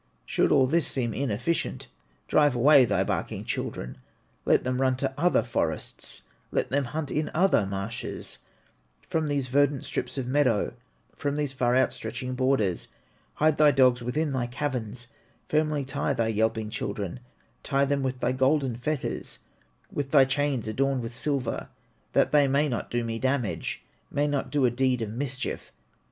"Should all this seem inefficient, Drive away thy barking children, Let them run to other forests, Let them hunt in other marshes, From these verdant strips of meadow, From these far outstretching borders, Hide thy dogs within thy caverns, Firmly tie thy yelping children, Tie them with thy golden fetters, With thy chains adorned with silver, That they may not do me damage, May not do a deed of mischief.